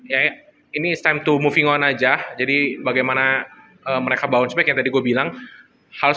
ya ini stand to moving on aja jadi bagaimana mereka bau sebaiknya tadi gua bilang harus